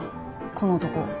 この男。